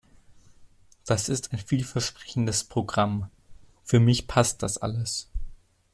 Das ist ein vielversprechendes Programm. Für mich passt das alles.